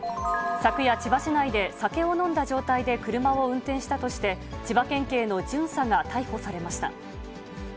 昨夜、千葉市内で酒を飲んだ状態で車を運転したとして、千葉県警の巡査が逮捕されました。